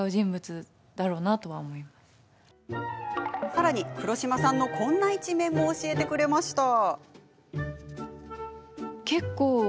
さらに、黒島さんのこんな一面も教えてくれました。